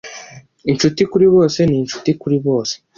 Inshuti kuri bose ni inshuti kuri bose.